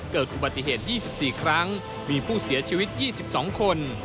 เกิดอุบัติเหตุ๒๔ครั้งมีผู้เสียชีวิต๒๒คน